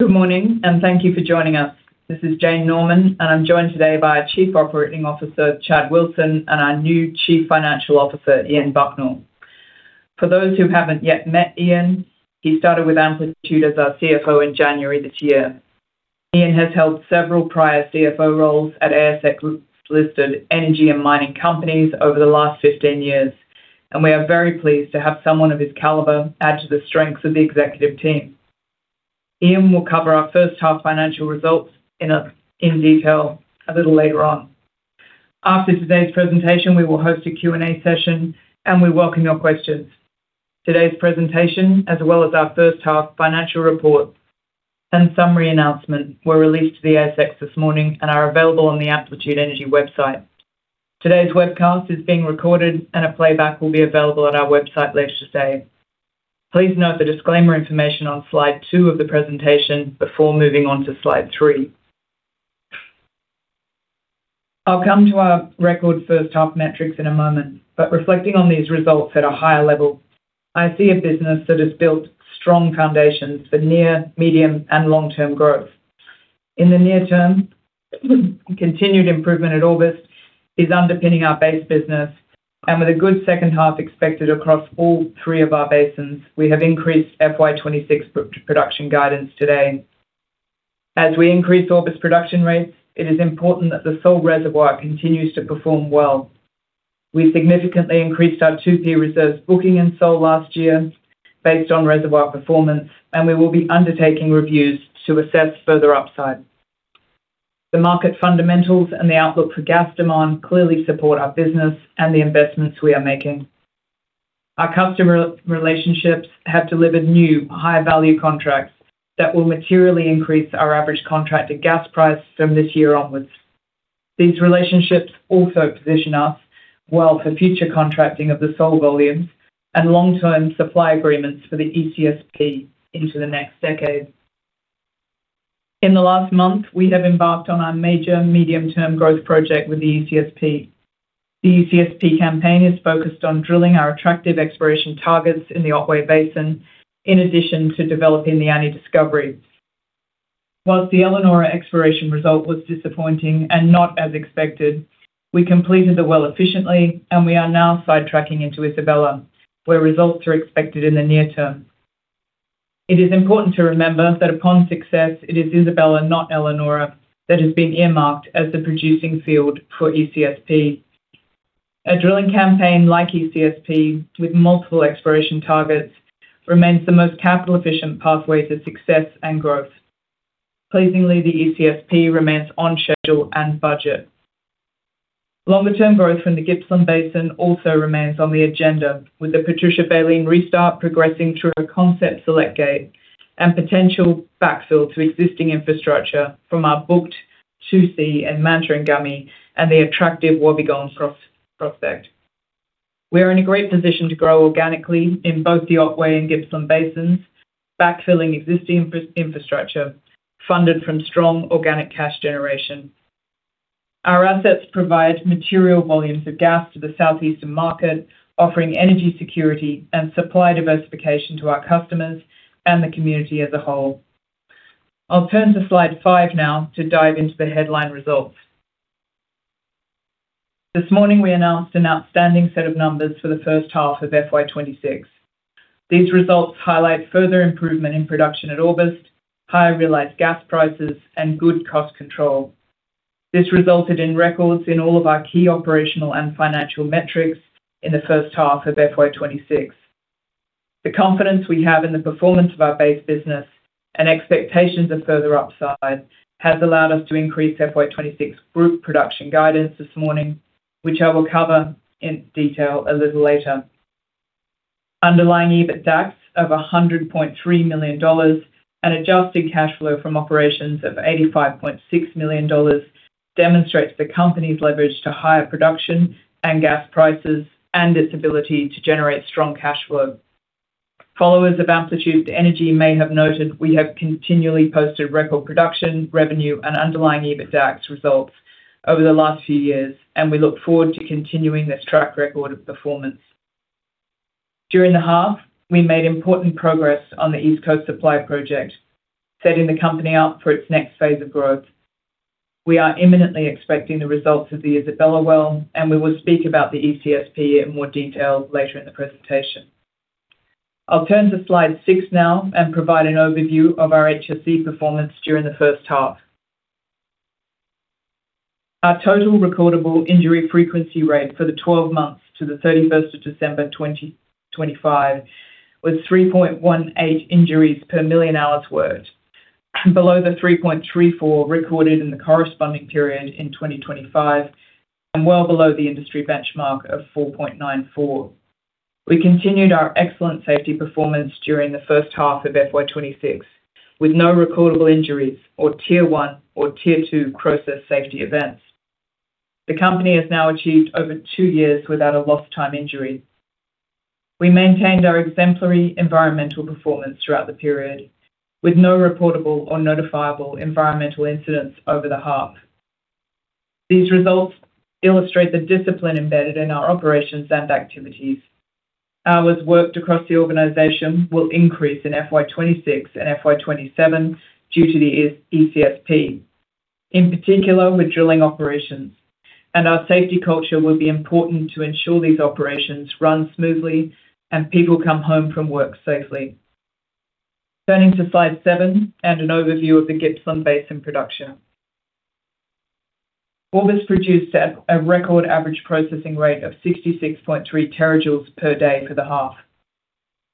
Good morning, and thank you for joining us. This is Jane Norman, and I'm joined today by our Chief Operating Officer, Chad Wilson, and our new Chief Financial Officer, Ian Bucknell. For those who haven't yet met Ian, he started with Amplitude as our CFO in January this year. Ian has held several prior CFO roles at ASX-listed energy and mining companies over the last 15 years, and we are very pleased to have someone of his caliber add to the strengths of the executive team. Ian will cover our first half financial results in detail a little later on. After today's presentation, we will host a Q&A session, and we welcome your questions. Today's presentation, as well as our first half financial report and summary announcement, were released to the ASX this morning and are available on the Amplitude Energy website. Today's webcast is being recorded, and a playback will be available on our website later today. Please note the disclaimer information on slide 2 of the presentation before moving on to slide 3. I'll come to our record first half metrics in a moment, but reflecting on these results at a higher level, I see a business that has built strong foundations for near, medium, and long-term growth. In the near term, continued improvement at Orbost is underpinning our base business, and with a good second half expected across all 3 of our basins, we have increased FY 2026 production guidance today. As we increase Orbost production rates, it is important that the Sole reservoir continues to perform well. We significantly increased our 2P reserves booking in Sole last year based on reservoir performance, and we will be undertaking reviews to assess further upside. The market fundamentals and the outlook for gas demand clearly support our business and the investments we are making. Our customer relationships have delivered new, high-value contracts that will materially increase our average contracted gas price from this year onwards. These relationships also position us well for future contracting of the Sole volumes and long-term supply agreements for the ECSP into the next decade. In the last month, we have embarked on our major medium-term growth project with the ECSP. The ECSP campaign is focused on drilling our attractive exploration targets in the Otway Basin, in addition to developing the Annie discovery. Whilst the Elanora exploration result was disappointing and not as expected, we completed the well efficiently, and we are now sidetracking into Isabella, where results are expected in the near term. It is important to remember that upon success, it is Isabella, not Elanora, that has been earmarked as the producing field for ECSP. A drilling campaign like ECSP, with multiple exploration targets, remains the most capital-efficient pathway to success and growth. Pleasingly, the ECSP remains on schedule and budget. Longer-term growth from the Gippsland Basin also remains on the agenda, with the Patricia Baleen restart progressing through a concept select gate and potential backfill to existing infrastructure from our booked 2C and Manta and Gummy and the attractive Wobbegong cross prospect. We are in a great position to grow organically in both the Otway and Gippsland Basins, backfilling existing infrastructure funded from strong organic cash generation. Our assets provide material volumes of gas to the southeastern market, offering energy security and supply diversification to our customers and the community as a whole. I'll turn to slide 5 now to dive into the headline results. This morning, we announced an outstanding set of numbers for the first half of FY26. These results highlight further improvement in production at Orbost, higher realized gas prices, and good cost control. This resulted in records in all of our key operational and financial metrics in the first half of FY26. The confidence we have in the performance of our base business and expectations of further upside has allowed us to increase FY26 group production guidance this morning, which I will cover in detail a little later. Underlying EBITDA of 100.3 million dollars and adjusted cash flow from operations of 85.6 million dollars demonstrates the company's leverage to higher production and gas prices and its ability to generate strong cash flow. Followers of Amplitude Energy may have noted we have continually posted record production, revenue, and underlying EBITDA results over the last few years. We look forward to continuing this track record of performance. During the half, we made important progress on the East Coast Supply Project, setting the company up for its next phase of growth. We are imminently expecting the results of the Isabella well. We will speak about the ECSP in more detail later in the presentation. I'll turn to slide 6 now and provide an overview of our HSE performance during the first half. Our total recordable injury frequency rate for the 12 months to the December 31st, 2025 was 3.18 injuries per million hours worked, below the 3.34 recorded in the corresponding period in 2025 and well below the industry benchmark of 4.94. We continued our excellent safety performance during the first half of FY26, with no recordable injuries or Tier 1 or Tier 2 process safety events. The company has now achieved over 2 years without a lost time injury. We maintained our exemplary environmental performance throughout the period, with no reportable or notifiable environmental incidents over the half.... These results illustrate the discipline embedded in our operations and activities. Hours worked across the organization will increase in FY26 and FY27 due to the ECSP. In particular, with drilling operations, our safety culture will be important to ensure these operations run smoothly and people come home from work safely. Turning to slide 7 and an overview of the Gippsland Basin production. Orbost produced at a record average processing rate of 66.3 TJ per day for the half.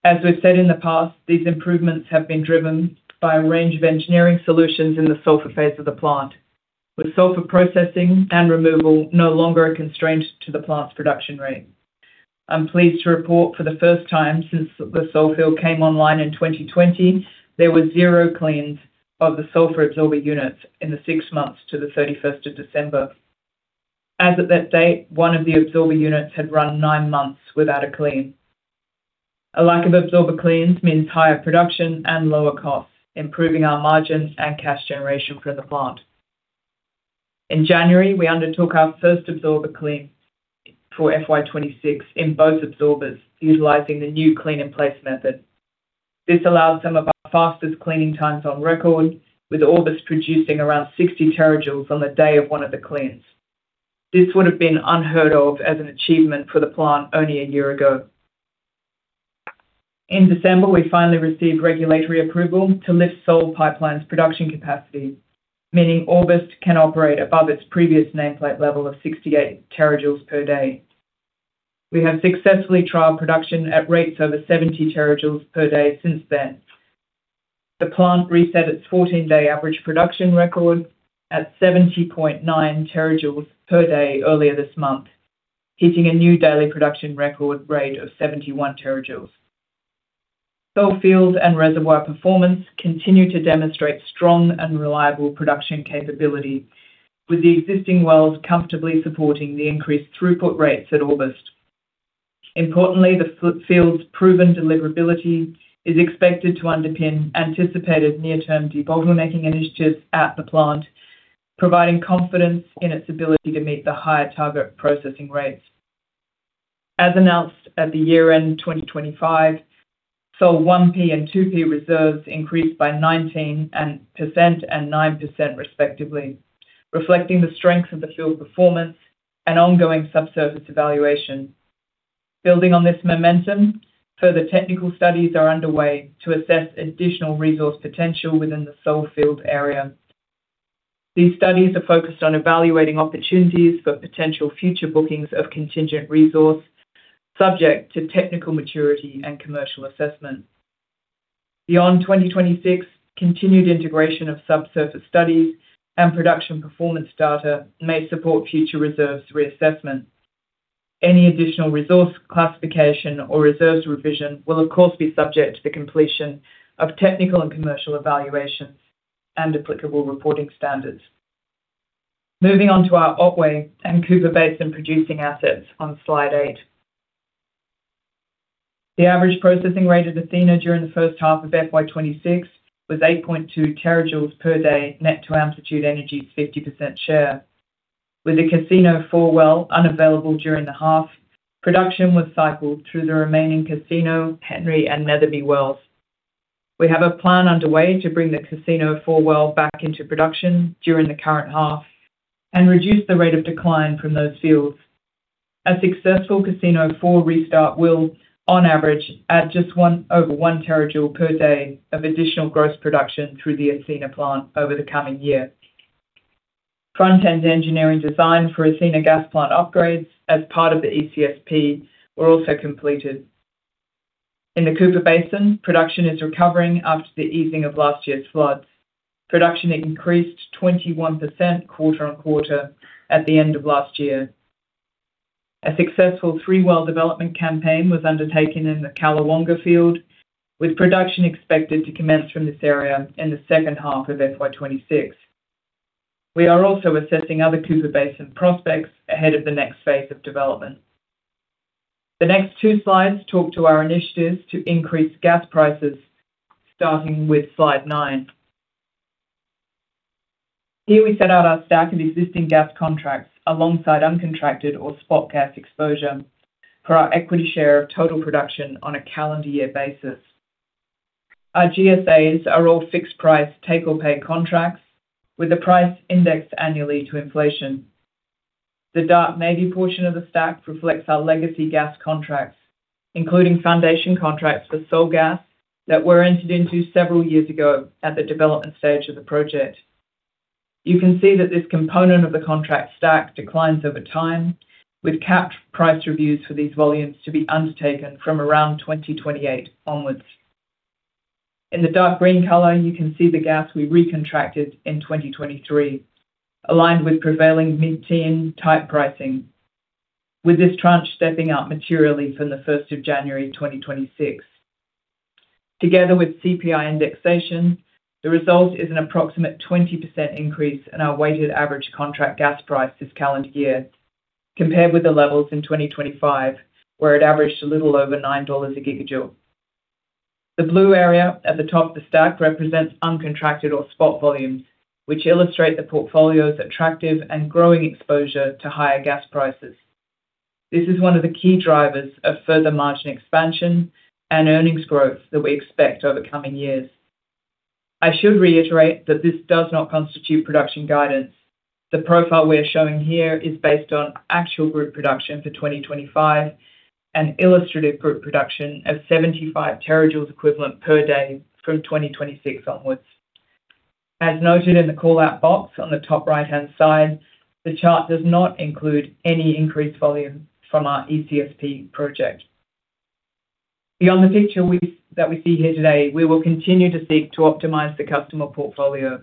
As we've said in the past, these improvements have been driven by a range of engineering solutions in the sulfur phase of the plant, with sulfur processing and removal no longer a constraint to the plant's production rate. I'm pleased to report, for the first time since the Sole field came online in 2020, there were zero cleans of the sulfur absorber units in the 6 months to the 31st of December. As of that date, one of the absorber units had run 9 months without a clean. A lack of absorber cleans means higher production and lower costs, improving our margins and cash generation for the plant. In January, we undertook our first absorber clean for FY26 in both absorbers, utilizing the new clean-in-place method. This allowed some of our fastest cleaning times on record, with Orbost producing around 60 TJ on the day of one of the cleans. This would have been unheard of as an achievement for the plant only a year ago. In December, we finally received regulatory approval to lift Sole Pipeline's production capacity, meaning Orbost can operate above its previous nameplate level of 68 TJ per day. We have successfully trialed production at rates over 70 TJ per day since then. The plant reset its fourteen-day average production record at 70.9 TJ per day earlier this month, hitting a new daily production record rate of 71 TJ. Sole field and reservoir performance continue to demonstrate strong and reliable production capability, with the existing wells comfortably supporting the increased throughput rates at Orbost. Importantly, the field's proven deliverability is expected to underpin anticipated near-term debottlenecking initiatives at the plant, providing confidence in its ability to meet the higher target processing rates. As announced at the year-end 2025, Sole 1P and 2P reserves increased by 19% and 9%, respectively, reflecting the strength of the field performance and ongoing subsurface evaluation. Building on this momentum, further technical studies are underway to assess additional resource potential within the Sole field area. These studies are focused on evaluating opportunities for potential future bookings of contingent resource, subject to technical maturity and commercial assessment. Beyond 2026, continued integration of subsurface studies and production performance data may support future reserves reassessment. Any additional resource classification or reserves revision will, of course, be subject to the completion of technical and commercial evaluations and applicable reporting standards. Moving on to our Otway and Cooper Basin producing assets on Slide 8. The average processing rate of Athena during the first half of FY26 was 8.2 TJ per day, net to Amplitude Energy's 50% share. With the Casino Four well unavailable during the half, production was cycled through the remaining Casino, Henry, and Netherby wells. We have a plan underway to bring the Casino Four well back into production during the current half and reduce the rate of decline from those fields. A successful Casino Four restart will, on average, add over 1 TJ per day of additional gross production through the Athena plant over the coming year. Front-end engineering design for Athena gas plant upgrades as part of the ECSP were also completed. In the Cooper Basin, production is recovering after the easing of last year's floods. Production increased 21% quarter-on-quarter at the end of last year. A successful three-well development campaign was undertaken in the Callawonga field, with production expected to commence from this area in the second half of FY26. We are also assessing other Cooper Basin prospects ahead of the next phase of development. The next two slides talk to our initiatives to increase gas prices, starting with slide 9. Here we set out our stack of existing gas contracts alongside uncontracted or spot gas exposure for our equity share of total production on a calendar year basis. Our GSAs are all fixed price, take or pay contracts, with the price indexed annually to inflation. The dark navy portion of the stack reflects our legacy gas contracts, including foundation contracts for Sole gas that were entered into several years ago at the development stage of the project. You can see that this component of the contract stack declines over time, with capped price reviews for these volumes to be undertaken from around 2028 onwards. In the dark green color, you can see the gas we recontracted in 2023, aligned with prevailing mid-teen type pricing, with this tranche stepping up materially from January 1, 2026. Together with CPI indexation, the result is an approximate 20% increase in our weighted average contract gas price this calendar year, compared with the levels in 2025, where it averaged a little over 9 dollars a GJ. The blue area at the top of the stack represents uncontracted or spot volumes, which illustrate the portfolio's attractive and growing exposure to higher gas prices. This is one of the key drivers of further margin expansion and earnings growth that we expect over the coming years. I should reiterate that this does not constitute production guidance. The profile we are showing here is based on actual group production for 2025, and illustrative group production of 75 TJ equivalent per day from 2026 onwards. As noted in the call-out box on the top right-hand side, the chart does not include any increased volume from our ECSP project. Beyond the picture that we see here today, we will continue to seek to optimize the customer portfolio.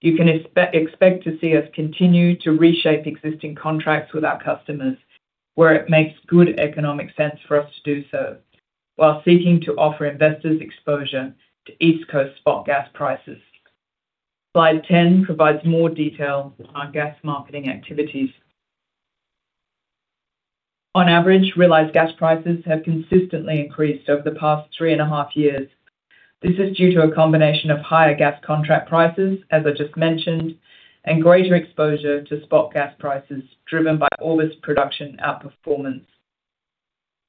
You can expect to see us continue to reshape existing contracts with our customers, where it makes good economic sense for us to do so, while seeking to offer investors exposure to East Coast spot gas prices. Slide 10 provides more detail on our gas marketing activities. On average, realized gas prices have consistently increased over the past 3.5 years. This is due to a combination of higher gas contract prices, as I just mentioned, and greater exposure to spot gas prices, driven by all this production outperformance.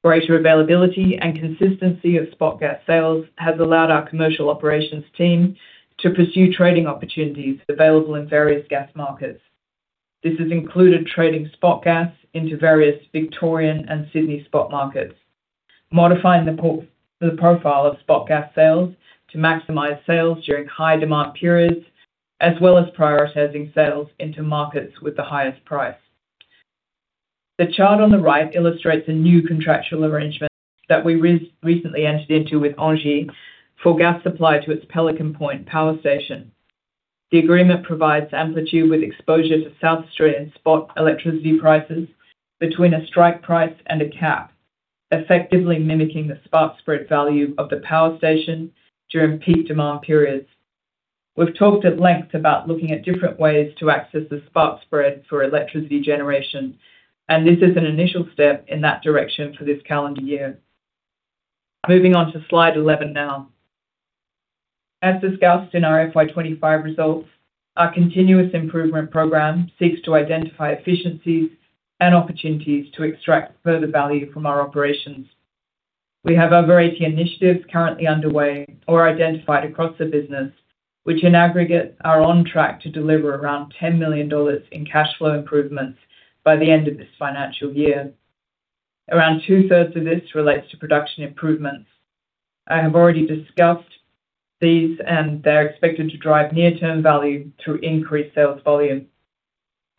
Greater availability and consistency of spot gas sales has allowed our commercial operations team to pursue trading opportunities available in various gas markets. This has included trading spot gas into various Victorian and Sydney spot markets, modifying the profile of spot gas sales to maximize sales during high-demand periods, as well as prioritizing sales into markets with the highest price. The chart on the right illustrates a new contractual arrangement that we recently entered into with ENGIE for gas supply to its Pelican Point Power Station. The agreement provides Amplitude with exposure to South Australian spot electricity prices between a strike price and a cap, effectively mimicking the spot spread value of the power station during peak demand periods. We've talked at length about looking at different ways to access the spot spread for electricity generation. This is an initial step in that direction for this calendar year. Moving on to slide 11 now. As discussed in our FY25 results, our continuous improvement program seeks to identify efficiencies and opportunities to extract further value from our operations. We have over 80 initiatives currently underway or identified across the business, which in aggregate, are on track to deliver around 10 million dollars in cash flow improvements by the end of this financial year. Around two-thirds of this relates to production improvements. I have already discussed these, and they're expected to drive near-term value through increased sales volume.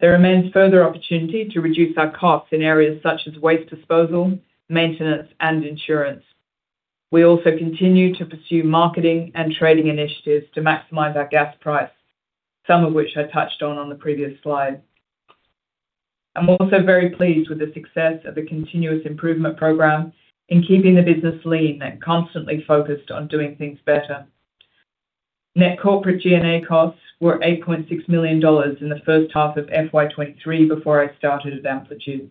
There remains further opportunity to reduce our costs in areas such as waste disposal, maintenance, and insurance. We also continue to pursue marketing and trading initiatives to maximize our gas price, some of which I touched on on the previous slide. I'm also very pleased with the success of the continuous improvement program in keeping the business lean and constantly focused on doing things better. Net corporate G&A costs were 8.6 million dollars in the first half of FY23 before I started at Amplitude.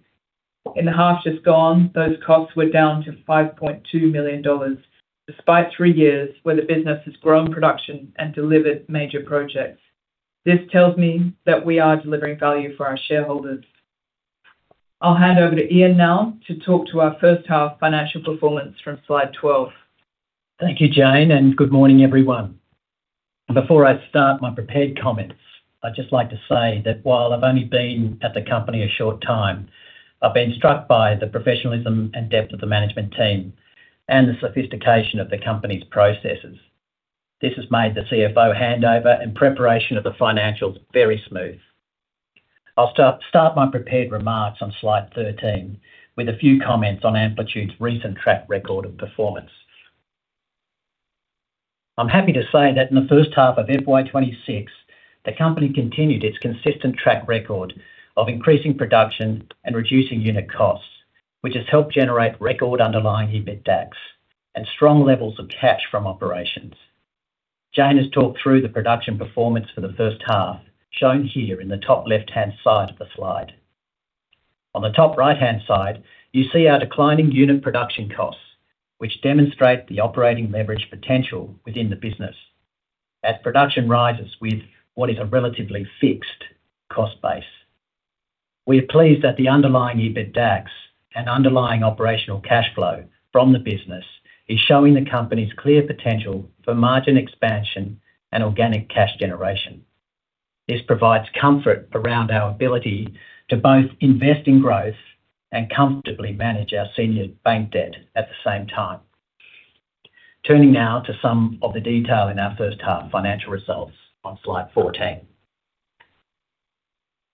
In the half just gone, those costs were down to 5.2 million dollars, despite three years where the business has grown production and delivered major projects. This tells me that we are delivering value for our shareholders. I'll hand over to Ian now to talk to our first half financial performance from slide 12. Thank you, Jane. Good morning, everyone. Before I start my prepared comments, I'd just like to say that while I've only been at the company a short time, I've been struck by the professionalism and depth of the management team and the sophistication of the company's processes. This has made the CFO handover and preparation of the financials very smooth. I'll start my prepared remarks on slide 13, with a few comments on Amplitude's recent track record of performance. I'm happy to say that in the first half of FY26, the company continued its consistent track record of increasing production and reducing unit costs, which has helped generate record underlying EBITDAX and strong levels of cash from operations. Jane has talked through the production performance for the first half, shown here in the top left-hand side of the slide. On the top right-hand side, you see our declining unit production costs, which demonstrate the operating leverage potential within the business as production rises with what is a relatively fixed cost base. We are pleased that the underlying EBITDAX and underlying operational cash flow from the business is showing the company's clear potential for margin expansion and organic cash generation. This provides comfort around our ability to both invest in growth and comfortably manage our senior bank debt at the same time. Turning now to some of the detail in our first half financial results on slide 14.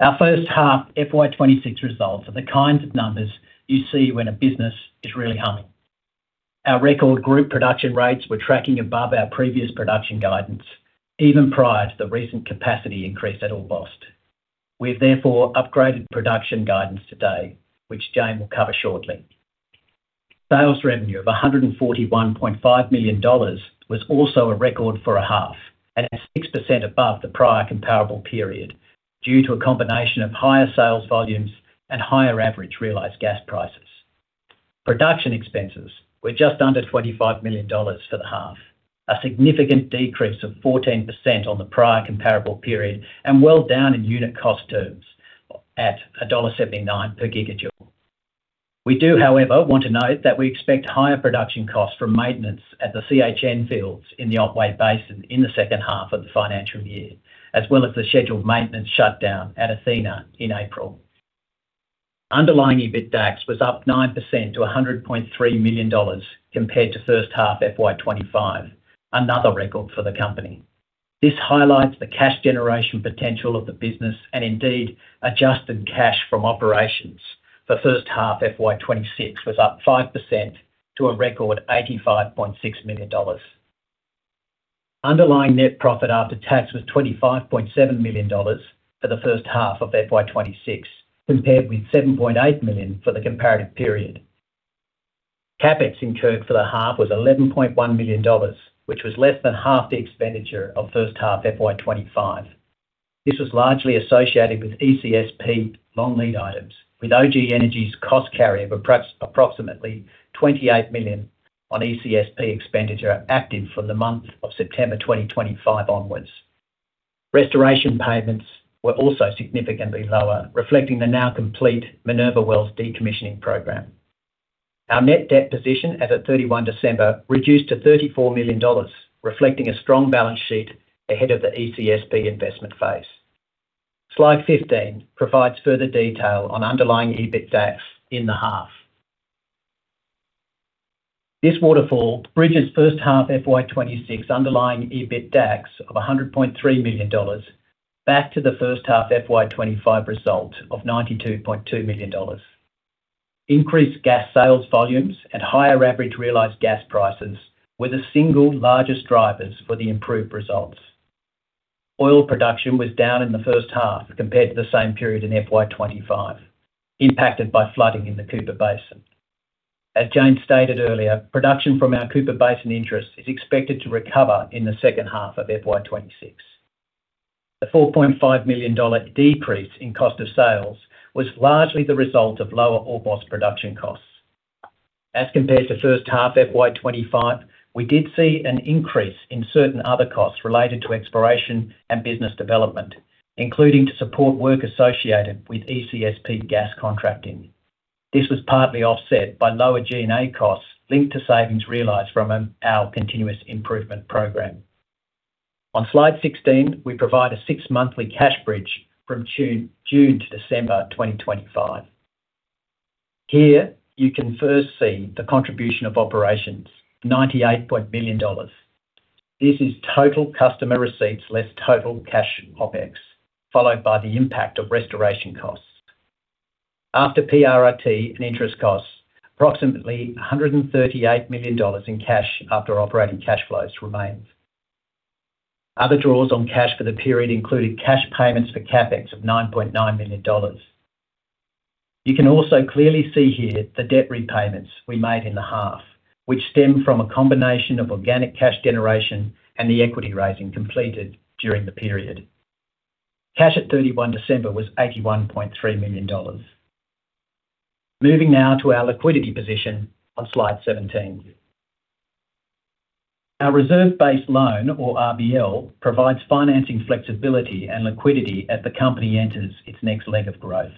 Our first half FY26 results are the kinds of numbers you see when a business is really humming. Our record group production rates were tracking above our previous production guidance, even prior to the recent capacity increase at Orbost. We've therefore upgraded production guidance today, which Jane will cover shortly. Sales revenue of 141.5 million dollars was also a record for a half. At 6% above the prior comparable period, due to a combination of higher sales volumes and higher average realized gas prices. Production expenses were just under 25 million dollars for the half, a significant decrease of 14% on the prior comparable period, and well down in unit cost terms at dollar 1.79 per GJ. We do, however, want to note that we expect higher production costs from maintenance at the CHN fields in the Otway Basin in the second half of the financial year, as well as the scheduled maintenance shutdown at Athena in April. Underlying EBITDAX was up 9% to 100.3 million dollars, compared to first half FY25, another record for the company. This highlights the cash generation potential of the business, indeed, adjusted cash from operations for first half FY26 was up 5% to a record 85.6 million dollars. Underlying net profit after tax was 25.7 million dollars for the first half of FY26, compared with 7.8 million for the comparative period. CapEx incurred for the half was 11.1 million dollars, which was less than half the expenditure of first half FY25. This was largely associated with ECSP long lead items, with O.G. Energy's cost carry of approximately 28 million on ECSP expenditure active from the month of September 2025 onwards. Restoration payments were also significantly lower, reflecting the now complete Minerva Wells decommissioning program. Our net debt position as at 31 December, reduced to 34 million dollars, reflecting a strong balance sheet ahead of the ECSP investment phase. Slide 15 provides further detail on underlying EBITDAX in the half. This waterfall bridges first half FY26 underlying EBITDAX of 100.3 million dollars, back to the first half FY25 result of 92.2 million dollars. Increased gas sales volumes and higher average realized gas prices were the single largest drivers for the improved results. Oil production was down in the first half compared to the same period in FY25, impacted by flooding in the Cooper Basin. As Jane stated earlier, production from our Cooper Basin interest is expected to recover in the second half of FY26. The 4.5 million dollar decrease in cost of sales was largely the result of lower all-cost production costs. As compared to first half FY25, we did see an increase in certain other costs related to exploration and business development, including to support work associated with ECSP gas contracting. This was partly offset by lower G&A costs linked to savings realized from our continuous improvement program. On Slide 16, we provide a six-monthly cash bridge from June to December 2025. Here, you can first see the contribution of operations, 98 million dollars. This is total customer receipts less total cash OpEx, followed by the impact of restoration costs. After PRRT and interest costs, approximately 138 million dollars in cash after operating cash flows remains. Other draws on cash for the period included cash payments for CapEx of 9.9 million dollars. You can also clearly see here the debt repayments we made in the half, which stemmed from a combination of organic cash generation and the equity raising completed during the period. Cash at 31st December was 81.3 million dollars. Moving now to our liquidity position on slide 17. Our reserve-based loan, or RBL, provides financing, flexibility, and liquidity as the company enters its next leg of growth.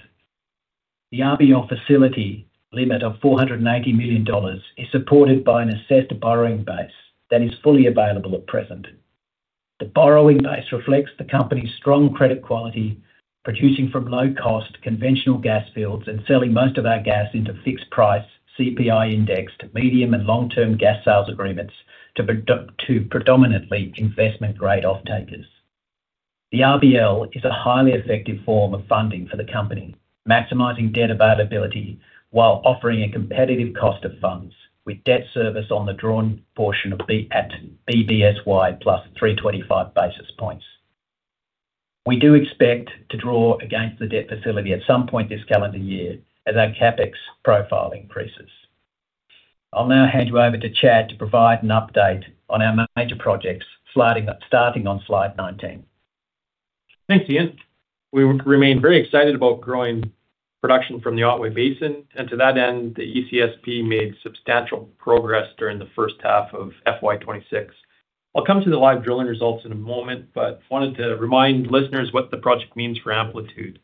The RBL facility limit of 490 million dollars is supported by an assessed borrowing base that is fully available at present. The borrowing base reflects the company's strong credit quality, producing from low-cost conventional gas fields and selling most of our gas into fixed-price, CPI-indexed, medium and long-term gas sales agreements to predominantly investment-grade offtakers. The RBL is a highly effective form of funding for the company, maximizing debt availability while offering a competitive cost of funds with debt service on the drawn portion of the BBSY +325 basis points. We do expect to draw against the debt facility at some point this calendar year as our CapEx profile increases. I'll now hand you over to Chad to provide an update on our major projects, sliding up, starting on slide 19. Thanks, Ian. We remain very excited about growing production from the Otway Basin, and to that end, the ECSP made substantial progress during the first half of FY26. I'll come to the live drilling results in a moment, but wanted to remind listeners what the project means for Amplitude.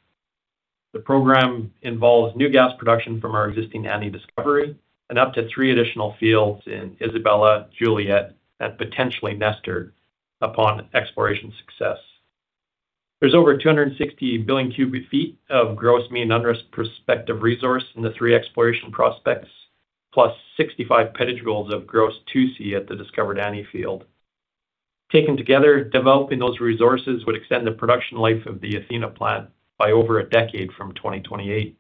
The program involves new gas production from our existing Annie discovery and up to 3 additional fields in Isabella, Juliet, and potentially Nestor, upon exploration success. There's over 260 billion ft³ of gross mean unrisked prospective resource in the 3 exploration prospects, +65 PJ of gross 2C at the discovered Annie field. Taken together, developing those resources would extend the production life of the Athena plant by over a decade from 2028.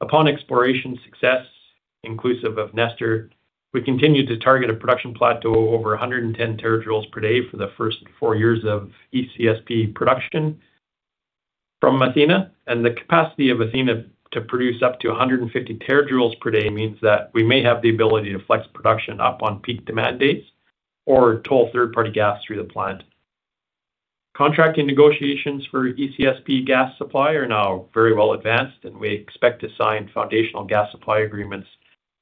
Upon exploration success, inclusive of Nestor, we continue to target a production plateau over 110 TJ per day for the first four years of ECSP production from Athena. The capacity of Athena to produce up to 150 TJ per day means that we may have the ability to flex production up on peak demand days or toll third-party gas through the plant. Contracting negotiations for ECSP gas supply are now very well advanced. We expect to sign foundational gas supply agreements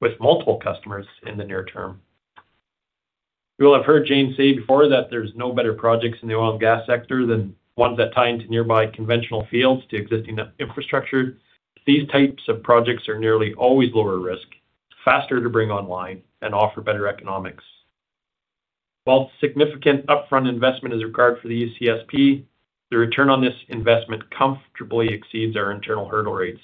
with multiple customers in the near term. You will have heard Jane say before that there's no better projects in the oil and gas sector than ones that tie into nearby conventional fields to existing infrastructure. These types of projects are nearly always lower risk, faster to bring online, and offer better economics. While significant upfront investment is required for the ECSP, the return on this investment comfortably exceeds our internal hurdle rates.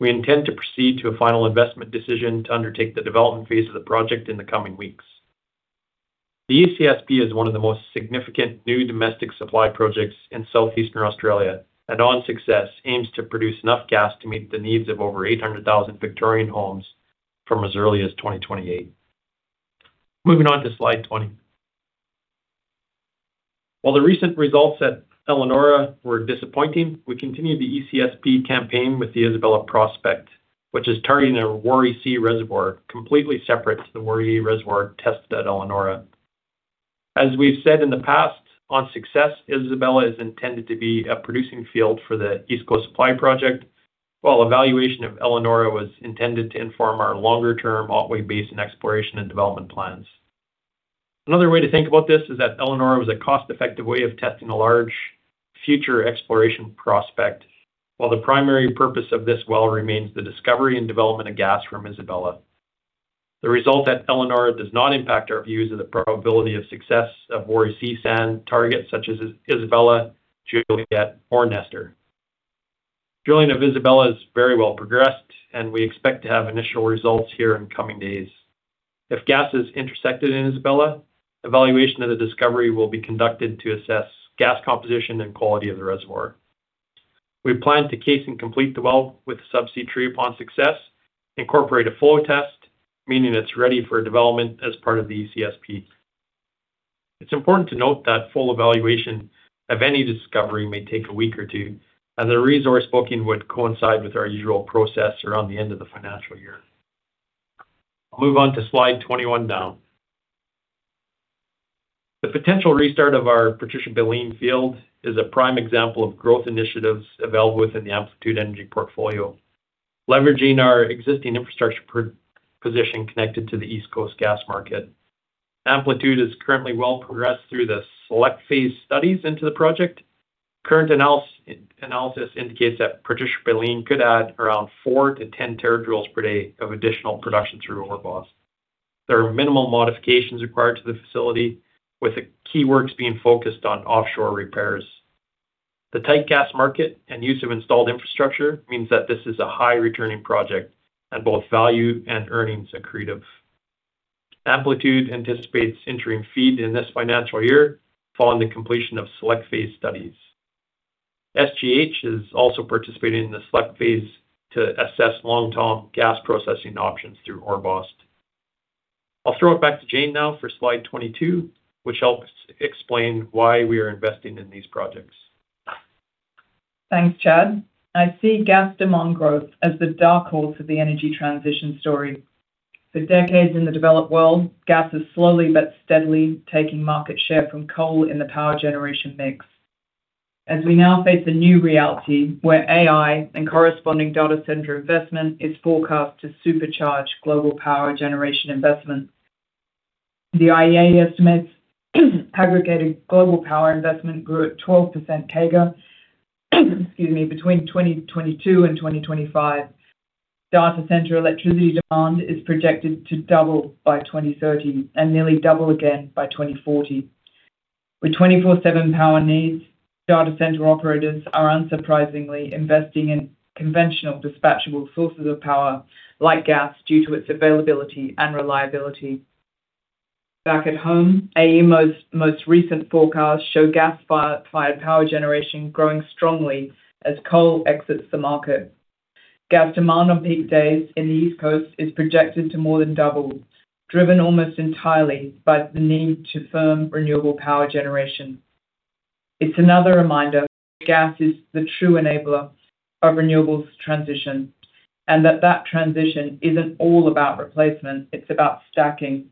We intend to proceed to a final investment decision to undertake the development phase of the project in the coming weeks. The ECSP is one of the most significant new domestic supply projects in southeastern Australia. On success, aims to produce enough gas to meet the needs of over 800,000 Victorian homes from as early as 2028. Moving on to slide 20. While the recent results at Elanora were disappointing, we continued the ECSP campaign with the Isabella Prospect, which is targeting a Waarre C reservoir, completely separate to the Waarre reservoir tested at Elanora. As we've said in the past, on success, Isabella is intended to be a producing field for the East Coast Supply Project, while evaluation of Elanora was intended to inform our longer-term Otway Basin exploration and development plans. Another way to think about this is that Elanora was a cost-effective way of testing a large future exploration prospect, while the primary purpose of this well remains the discovery and development of gas from Isabella. The result at Elanora does not impact our views of the probability of success of Waarre C sand targets such as Isabella, Juliet, or Nestor. Drilling of Isabella is very well progressed, and we expect to have initial results here in coming days. If gas is intersected in Isabella, evaluation of the discovery will be conducted to assess gas composition and quality of the reservoir. We plan to case and complete the well with subsea tree upon success, incorporate a flow test, meaning it's ready for development as part of the ECSP. It's important to note that full evaluation of any discovery may take a week or two, and the resource booking would coincide with our usual process around the end of the financial year. I'll move on to slide 21 now. The potential restart of our Patricia Baleen field is a prime example of growth initiatives available within the Amplitude Energy portfolio, leveraging our existing infrastructure per position connected to the East Coast gas market. Amplitude is currently well progressed through the select phase studies into the project. Current analysis indicates that Patricia Baleen could add around 4 TJ-10 TJ per day of additional production through Orbost. There are minimal modifications required to the facility, with the key works being focused on offshore repairs. The tight gas market and use of installed infrastructure means that this is a high-returning project and both value and earnings accretive. Amplitude anticipates entering FEED in this financial year, following the completion of select phase studies. SGH is also participating in the select phase to assess long-term gas processing options through Orbost. I'll throw it back to Jane now for slide 22, which helps explain why we are investing in these projects. Thanks, Chad. I see gas demand growth as the dark horse of the energy transition story. For decades in the developed world, gas is slowly but steadily taking market share from coal in the power generation mix. We now face a new reality where AI and corresponding data center investment is forecast to supercharge global power generation investment, the IEA estimates aggregated global power investment grew at 12% CAGR, excuse me, between 2022 and 2025. Data center electricity demand is projected to double by 2030 and nearly double again by 2040. With 24/7 power needs, data center operators are unsurprisingly investing in conventional dispatchable sources of power, like gas, due to its availability and reliability. Back at home, AEMO's most recent forecast show gas-fired power generation growing strongly as coal exits the market. Gas demand on peak days in the East Coast is projected to more than double, driven almost entirely by the need to firm renewable power generation. It's another reminder that gas is the true enabler of renewables transition, and that transition isn't all about replacement, it's about stacking.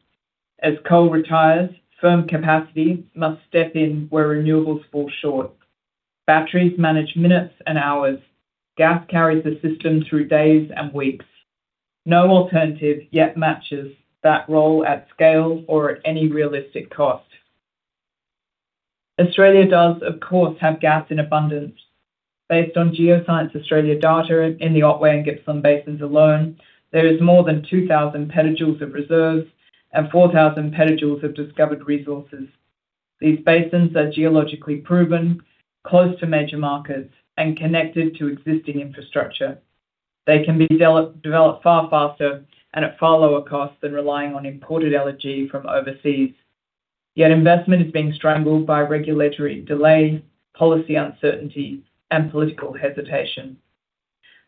As coal retires, firm capacity must step in where renewables fall short. Batteries manage minutes and hours. Gas carries the system through days and weeks. No alternative yet matches that role at scale or at any realistic cost. Australia does, of course, have gas in abundance. Based on Geoscience Australia data in the Otway and Gippsland basins alone, there is more than 2,000 PJ of reserves and 4,000 PJ of discovered resources. These basins are geologically proven, close to major markets, and connected to existing infrastructure. They can be developed far faster and at far lower cost than relying on imported LNG from overseas. Investment is being strangled by regulatory delays, policy uncertainty, and political hesitation.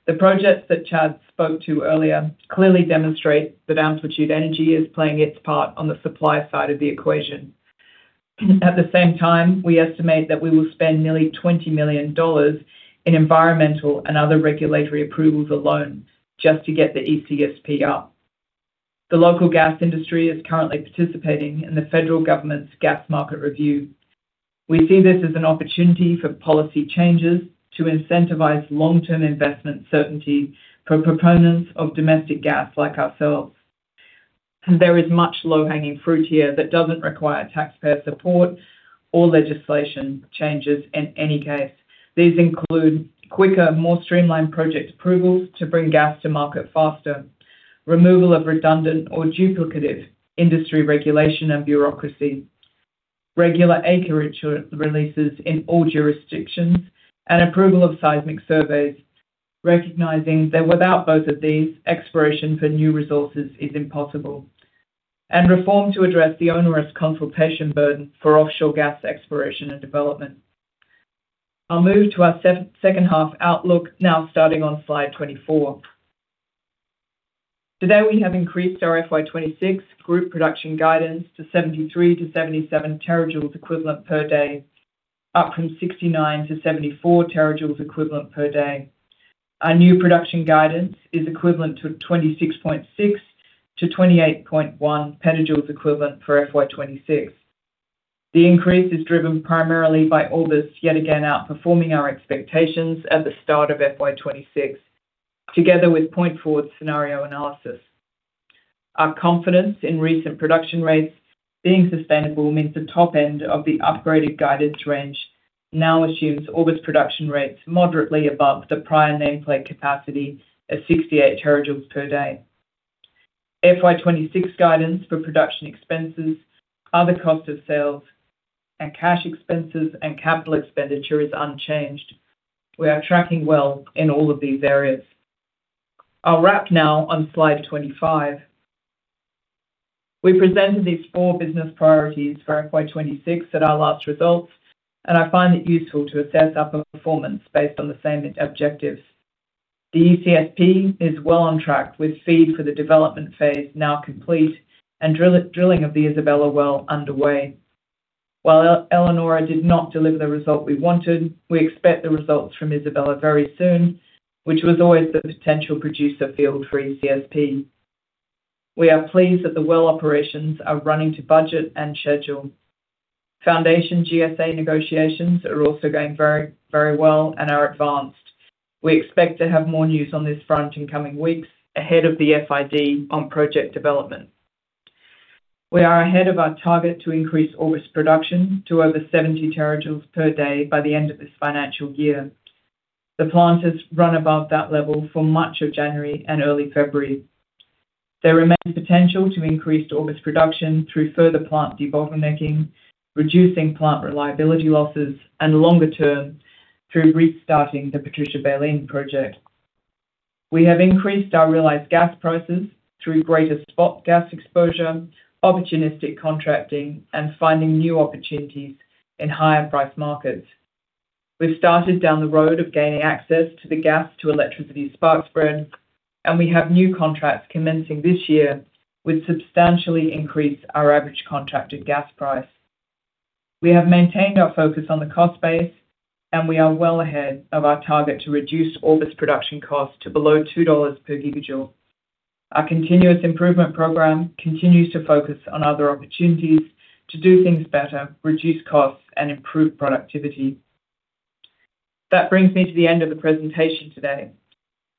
The projects that Chad spoke to earlier clearly demonstrate that Amplitude Energy is playing its part on the supply side of the equation. At the same time, we estimate that we will spend nearly 20 million dollars in environmental and other regulatory approvals alone just to get the ECSP up. The local gas industry is currently participating in the federal government's gas market review. We see this as an opportunity for policy changes to incentivize long-term investment certainty for proponents of domestic gas like ourselves. There is much low-hanging fruit here that doesn't require taxpayer support or legislation changes in any case. These include quicker, more streamlined project approvals to bring gas to market faster, removal of redundant or duplicative industry regulation and bureaucracy, regular acreage releases in all jurisdictions, and approval of seismic surveys, recognizing that without both of these, exploration for new resources is impossible, and reform to address the onerous consultation burden for offshore gas exploration and development. I'll move to our second half outlook now, starting on slide 24. Today, we have increased our FY26 group production guidance to 73 TJ-77 TJ equivalent per day, up from 69 TJ-74 TJ equivalent per day. Our new production guidance is equivalent to 26.6 PJ-28.1 PJ equivalent for FY26. The increase is driven primarily by August, yet again, outperforming our expectations at the start of FY26, together with point forward scenario analysis. Our confidence in recent production rates being sustainable means the top end of the upgraded guidance range now assumes August production rates moderately above the prior nameplate capacity of 68 TJ per day. FY26 guidance for production expenses, other cost of sales, and cash expenses and capital expenditure is unchanged. We are tracking well in all of these areas. I'll wrap now on slide 25. We presented these four business priorities for FY26 at our last results. I find it useful to assess our performance based on the same objectives. The ECSP is well on track, with FEED for the development phase now complete and drilling of the Isabella well underway. WhileElanora did not deliver the result we wanted, we expect the results from Isabella very soon, which was always the potential producer field for ECSP. We are pleased that the well operations are running to budget and schedule. Foundation GSA negotiations are also going very, very well and are advanced. We expect to have more news on this front in coming weeks ahead of the FID on project development. We are ahead of our target to increase Orbost production to over 70 TJ per day by the end of this financial year. The plant has run above that level for much of January and early February. There remains potential to increase Orbost production through further plant debottlenecking, reducing plant reliability losses, and longer term, through restarting the Patricia Baleen project. We have increased our realized gas prices through greater spot gas exposure, opportunistic contracting, and finding new opportunities in higher price markets. We've started down the road of gaining access to the gas to electricity spot spread, we have new contracts commencing this year, which substantially increase our average contracted gas price. We have maintained our focus on the cost base, we are well ahead of our target to reduce August production costs to below 2 dollars per GJ. Our continuous improvement program continues to focus on other opportunities to do things better, reduce costs, and improve productivity. That brings me to the end of the presentation today.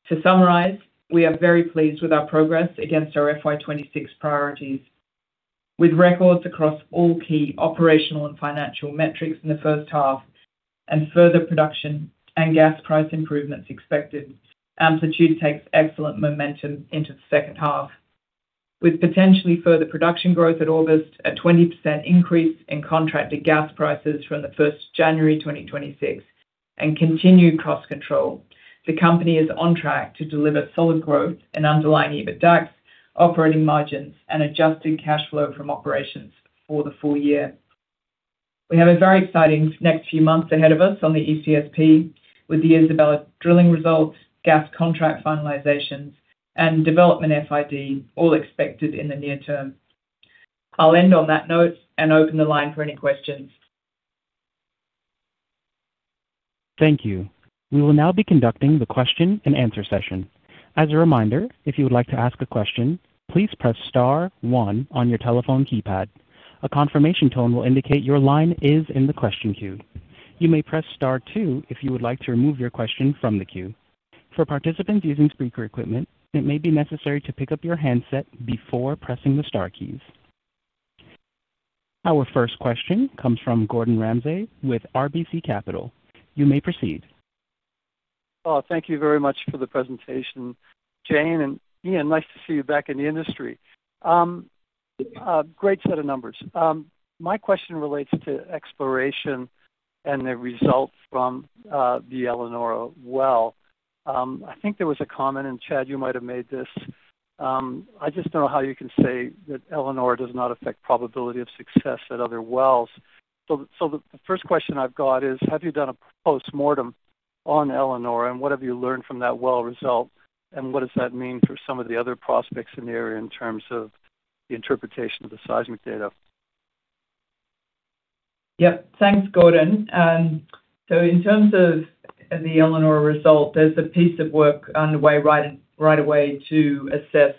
To summarize, we are very pleased with our progress against our FY26 priorities. With records across all key operational and financial metrics in the first half, further production and gas price improvements expected, Amplitude takes excellent momentum into the second half. With potentially further production growth at August, a 20% increase in contracted gas prices from the 1st January 2026, and continued cost control, the company is on track to deliver solid growth in underlying EBITDA, operating margins, and adjusted cash flow from operations for the full year. We have a very exciting next few months ahead of us on the ECSP, with the Isabella drilling results, gas contract finalizations, and development FID, all expected in the near term. I'll end on that note and open the line for any questions. Thank you. We will now be conducting the question and answer session. As a reminder, if you would like to ask a question, please press star one on your telephone keypad. A confirmation tone will indicate your line is in the question queue. You may press star two if you would like to remove your question from the queue. For participants using speaker equipment, it may be necessary to pick up your handset before pressing the star keys. Our first question comes from Gordon Ramsay with RBC Capital. You may proceed. Thank you very much for the presentation, Jane, and Ian, nice to see you back in the industry. Great set of numbers. My question relates to exploration and the results from the Elanora well. I think there was a comment, and Chad, you might have made this. I just don't know how you can say that Elanora does not affect probability of success at other wells. The first question I've got is, have you done a postmortem on Elanora, and what have you learned from that well result? What does that mean for some of the other prospects in the area in terms of the interpretation of the seismic data? Thanks, Gordon. In terms of the Elanora result, there's a piece of work underway right away to assess,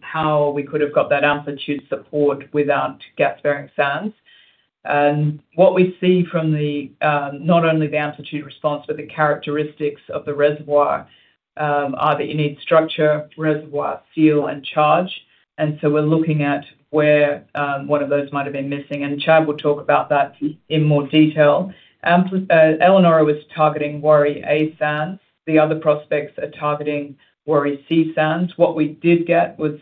how we could have got that amplitude support without gap-bearing sands. What we see from the, not only the amplitude response, but the characteristics of the reservoir, are that you need structure, reservoir, seal, and charge. We're looking at where, one of those might have been missing, and Chad will talk about that in more detail. Elanora was targeting Waarre A sands. The other prospects are targeting Waarre C sands. What we did get was,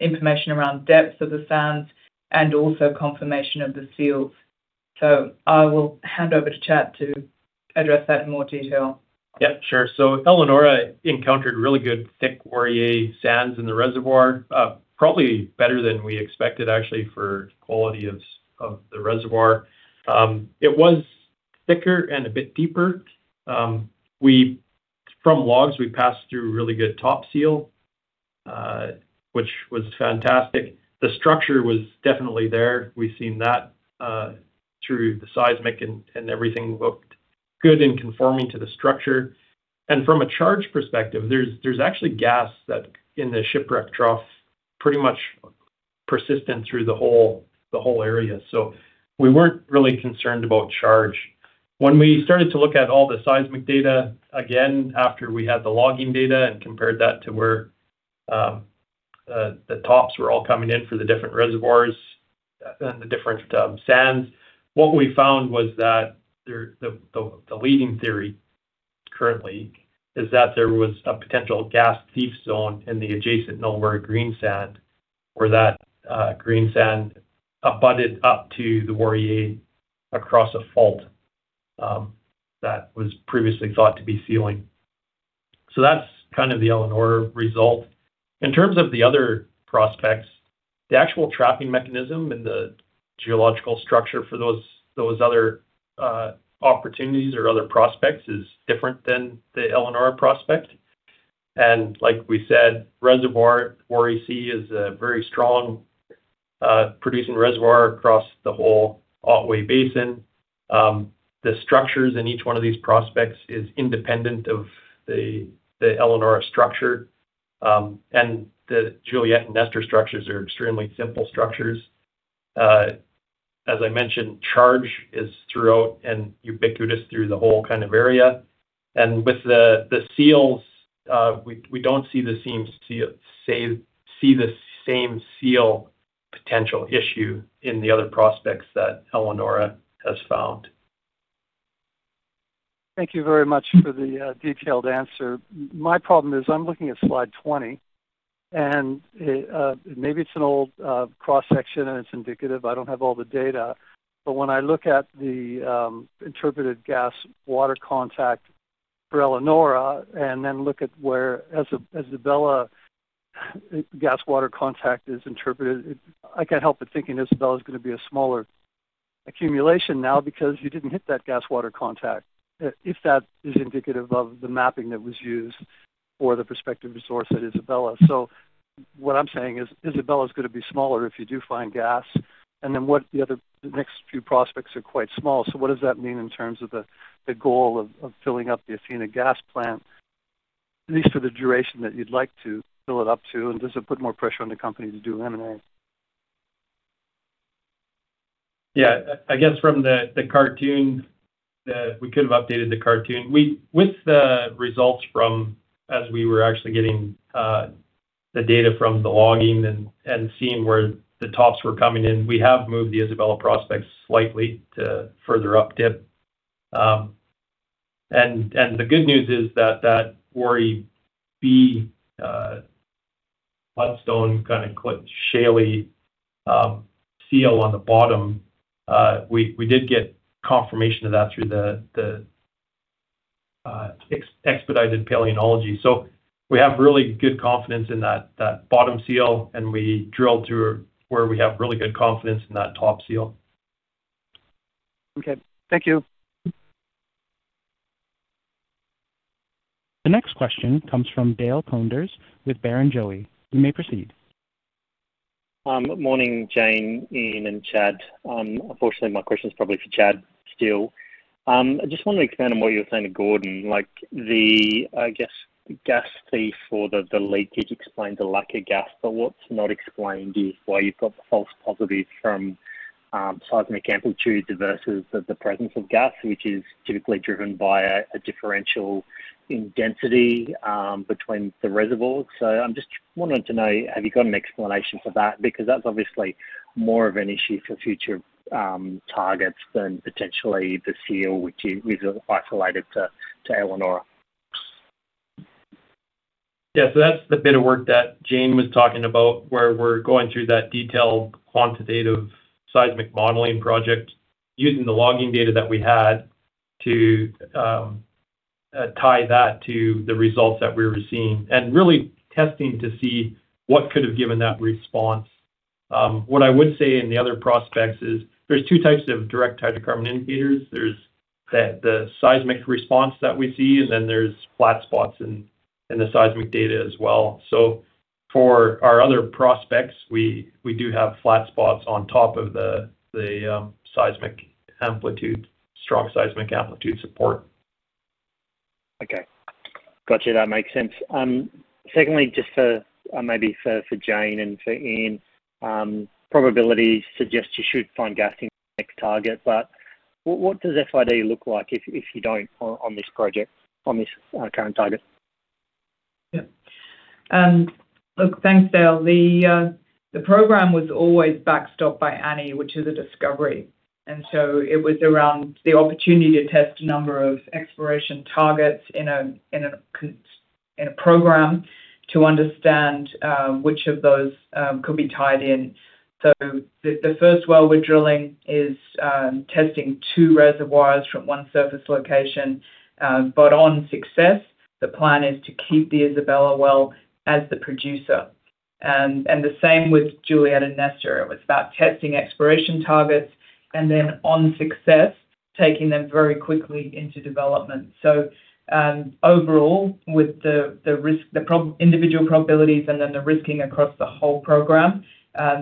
information around depths of the sands and also confirmation of the seals. I will hand over to Chad to address that in more detail. Yep, sure. Elanora encountered really good, thick Waarre A sands in the reservoir, probably better than we expected, actually, for quality of the reservoir. It was thicker and a bit deeper. From logs, we passed through really good top seal, which was fantastic. The structure was definitely there. We've seen that, through the seismic and everything looked good in conforming to the structure. From a charge perspective, there's actually gas that in the Shipwreck Trough, pretty much persistent through the whole area. We weren't really concerned about charge. When we started to look at all the seismic data again after we had the logging data and compared that to where the tops were all coming in for the different reservoirs and the different sands, what we found was that there... The leading theory currently is that there was a potential gas thief zone in the adjacent Nullawarre Greensand, where that green sand abutted up to the Waarre A across a fault that was previously thought to be sealing. That's kind of the Elanora result. In terms of the other prospects, the actual trapping mechanism and the geological structure for those other opportunities or other prospects is different than the Elanora prospect. Like we said, reservoir Waarre C is a very strong producing reservoir across the whole Otway Basin. The structures in each one of these prospects is independent of the Elanora structure. The Juliet and Nestor structures are extremely simple structures. As I mentioned, charge is throughout and ubiquitous through the whole kind of area. With the seals, we don't see the same seal potential issue in the other prospects that Elanora has found. Thank you very much for the detailed answer. My problem is, I'm looking at slide 20, and maybe it's an old cross-section, and it's indicative. I don't have all the data. When I look at the interpreted gas water contact for Elanora and then look at where Isabella gas water contact is interpreted, I can't help but thinking Isabella is going to be a smaller accumulation now because you didn't hit that gas water contact, if that is indicative of the mapping that was used for the prospective resource at Isabella. What I'm saying is, Isabella is going to be smaller if you do find gas, and then the next few prospects are quite small. What does that mean in terms of the goal of filling up the Athena gas plant, at least for the duration that you'd like to fill it up to, and does it put more pressure on the company to do M&A? Yeah. I guess from the cartoon, we could have updated the cartoon. With the results from, as we were actually getting the data from the logging and seeing where the tops were coming in, we have moved the Isabella prospects slightly to further up dip. The good news is that Waarre B mudstone, kind of, quite shaley, seal on the bottom, we did get confirmation of that through the expedited paleontology. We have really good confidence in that bottom seal, and we drilled through where we have really good confidence in that top seal. Okay. Thank you. The next question comes from Dale Koenders with Barrenjoey. You may proceed. Morning, Jane, Ian, and Chad. Unfortunately, my question is probably for Chad still. I just want to expand on what you were saying to Gordon, like the, I guess, gas thief or the leakage explained the lack of gas, but what's not explained is why you've got the false positives from seismic amplitudes versus the presence of gas, which is typically driven by a differential in density between the reservoirs. I'm just wanting to know, have you got an explanation for that? Because that's obviously more of an issue for future targets than potentially the seal, which is isolated to Elanora. Yeah, that's the bit of work that Jane Norman was talking about, where we're going through that detailed quantitative seismic modeling project using the logging data that we had to tie that to the results that we were seeing, and really testing to see what could have given that response. What I would say in the other prospects is, there's two types of direct hydrocarbon indicators. There's the seismic response that we see, and then there's flat spots in the seismic data as well. For our other prospects, we do have flat spots on top of the seismic amplitude, strong seismic amplitude support. Okay. Got you. That makes sense. Secondly, just for Jane and for Ian, probability suggests you should find gas in the next target, what does FID look like if you don't on this project, on this current target? Look, thanks, Dale. The, the program was always backstopped by Annie, which is a discovery. It was around the opportunity to test a number of exploration targets in a, in a program to understand which of those could be tied in. The, the first well we're drilling is testing two reservoirs from one surface location, but on success, the plan is to keep the Isabella well as the producer. The same with Juliet and Nestor. It was about testing exploration targets, and then on success, taking them very quickly into development. Overall, with the risk, individual probabilities and then the risking across the whole program,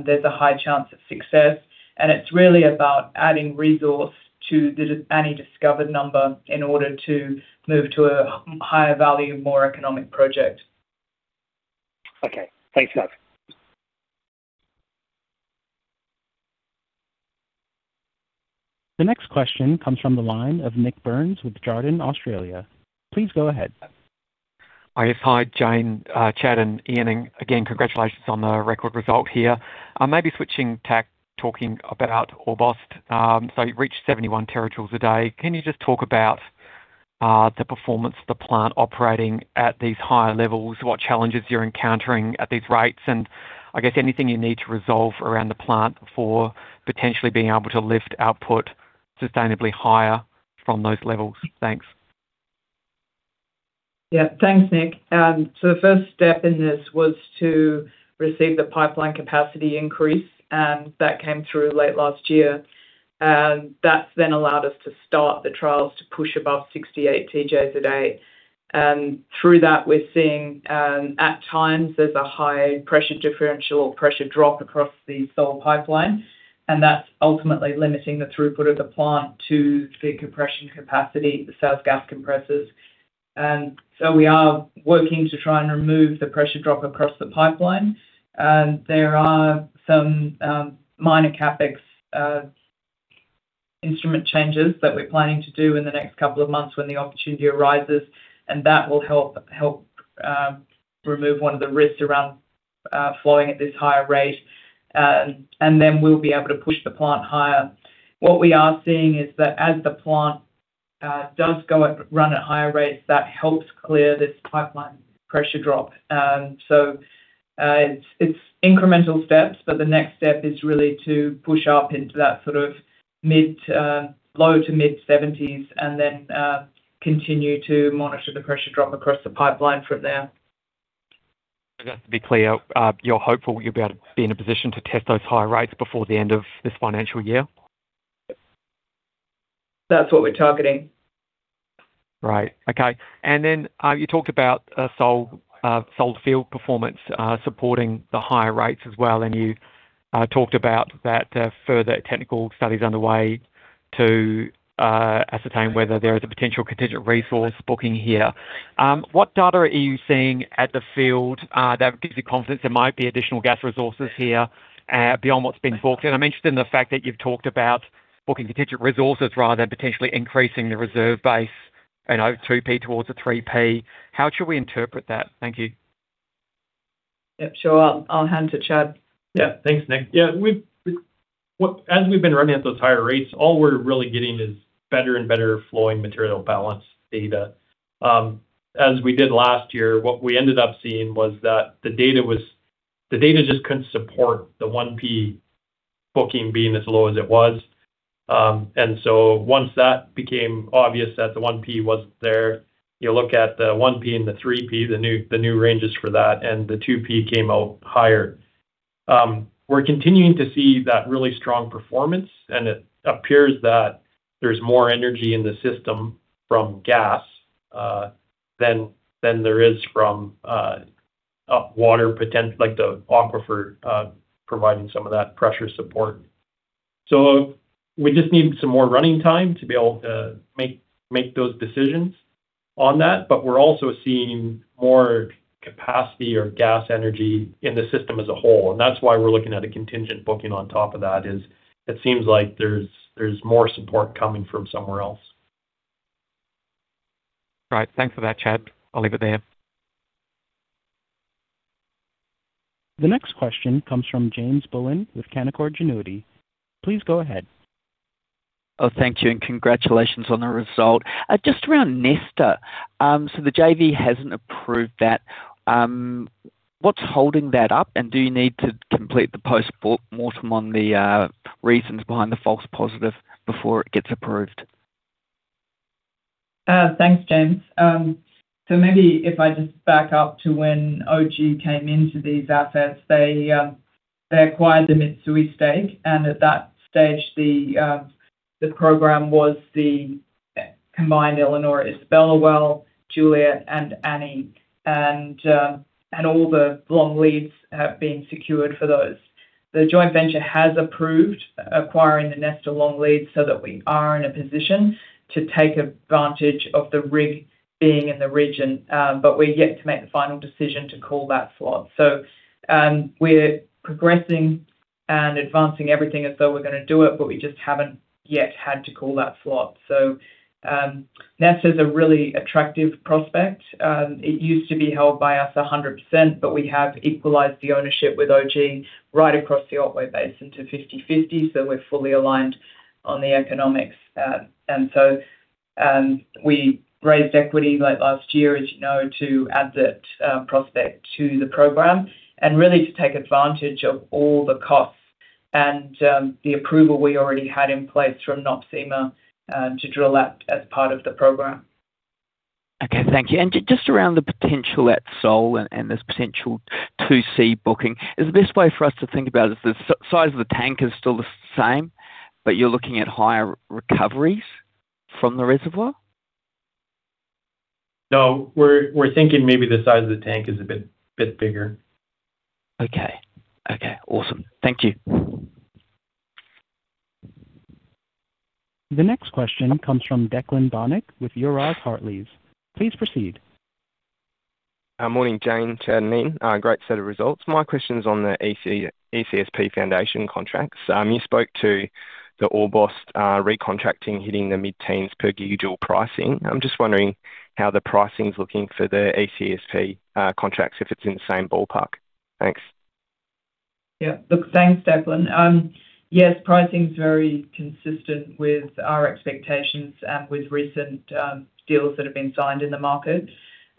there's a high chance of success, and it's really about adding resource to the Annie discovered number in order to move to a higher value, more economic project. Okay. Thanks, guys. The next question comes from the line of Nik Burns with Jarden Australia. Please go ahead. I guess, hi, Jane, Chad, and Ian, again, congratulations on the record result here. I may be switching tack, talking about Orbost. You reached 71 TJ a day. Can you just talk about the performance of the plant operating at these higher levels, what challenges you're encountering at these rates, and I guess anything you need to resolve around the plant for potentially being able to lift output sustainably higher from those levels? Thanks. Yeah. Thanks, Nik. The first step in this was to receive the pipeline capacity increase. That came through late last year. That's then allowed us to start the trials to push above 68 TJs a day. Through that, we're seeing, at times, there's a high pressure differential or pressure drop across the Sole Pipeline. That's ultimately limiting the throughput of the plant to the compression capacity, the sales gas compressors. We are working to try and remove the pressure drop across the pipeline. There are some minor CapEx instrument changes that we're planning to do in the next couple of months when the opportunity arises. That will help remove one of the risks around flowing at this higher rate. Then we'll be able to push the plant higher. What we are seeing is that as the plant, does go up, run at higher rates, that helps clear this pipeline pressure drop. It's, it's incremental steps, but the next step is really to push up into that sort of mid, low to mid-70s and then, continue to monitor the pressure drop across the pipeline from there. To be clear, you're hopeful you'll be able to be in a position to test those higher rates before the end of this financial year? That's what we're targeting. Right. Okay. You talked about Sole field performance supporting the higher rates as well, and you talked about that further technical studies underway to ascertain whether there is a potential contingent resource booking here. What data are you seeing at the field that gives you confidence there might be additional gas resources here beyond what's been booked in? I'm interested in the fact that you've talked about booking contingent resources rather than potentially increasing the reserve base, you know, 2P towards a 3P. How should we interpret that? Thank you. Yep, sure. I'll hand to Chad. Yeah. Thanks, Nik. Yeah, we've been running at those higher rates, all we're really getting is better and better flowing material balance data. As we did last year, what we ended up seeing was that the data just couldn't support the 1P booking being as low as it was. Once that became obvious that the 1P wasn't there, you look at the 1P and the 3P, the new ranges for that, and the 2P came out higher. We're continuing to see that really strong performance, and it appears that there's more energy in the system from gas than there is from water, like the aquifer, providing some of that pressure support. We just need some more running time to be able to make those decisions on that, but we're also seeing more capacity or gas energy in the system as a whole, and that's why we're looking at a contingent booking on top of that, is it seems like there's more support coming from somewhere else. Right. Thanks for that, Chad. I'll leave it there. The next question comes from James Bullen with Canaccord Genuity. Please go ahead. Oh, thank you, and congratulations on the result. Just around Nestor, the JV hasn't approved that. What's holding that up, and do you need to complete the post-mortem on the reasons behind the false positive before it gets approved? Thanks, James. Maybe if I just back up to when O.G. Energy came into these assets, they acquired the Mitsui stake, and at that stage, the program was the combined Elanora, Isabella Well, Juliet, and Annie, and all the long leads have been secured for those. The joint venture has approved acquiring the Nestor long lead so that we are in a position to take advantage of the rig being in the region. We're yet to make the final decision to call that slot. We're progressing and advancing everything as though we're gonna do it, but we just haven't yet had to call that slot. Nestor is a really attractive prospect. It used to be held by us 100%, but we have equalized the ownership with OG right across the Otway Basin to 50/50, so we're fully aligned on the economics. We raised equity late last year, as you know, to add that prospect to the program, and really to take advantage of all the costs and the approval we already had in place from NOPSEMA to drill that as part of the program. Okay, thank you. Just around the potential at Sole and this potential 2C booking, is the best way for us to think about it, is the size of the tank is still the same, but you're looking at higher recoveries from the reservoir? No, we're thinking maybe the size of the tank is a bit bigger. Okay. Okay, awesome. Thank you. The next question comes from Declan Bonnick with Euroz Hartleys. Please proceed. Morning, Jane, Chad, and Neil. Great set of results. My question is on the ECSP foundation contracts. You spoke to the Orbost recontracting, hitting the mid-teens per gigajoule pricing. I'm just wondering how the pricing is looking for the ECSP contracts, if it's in the same ballpark. Thanks. Yeah. Look, thanks, Declan. Yes, pricing is very consistent with our expectations and with recent deals that have been signed in the market.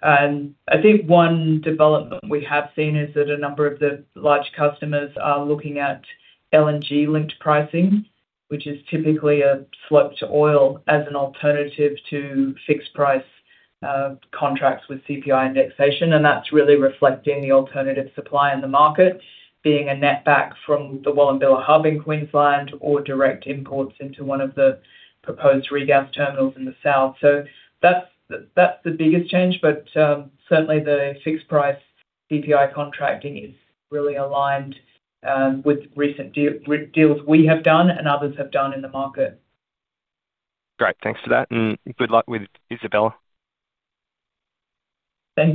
I think one development we have seen is that a number of the large customers are looking at LNG-linked pricing, which is typically a slope to oil as an alternative to fixed price contracts with CPI indexation. That's really reflecting the alternative supply in the market, being a netback from the Wallumbilla hub in Queensland or direct imports into one of the proposed regas terminals in the south. That's the biggest change, but certainly the fixed price CPI contracting is really aligned with recent deals we have done and others have done in the market. Great, thanks for that, and good luck with Isabella. Thank you.